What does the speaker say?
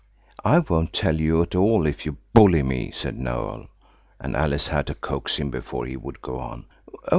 "I won't tell you at all if you bully me," said Noël, and Alice had to coax him before he would go on.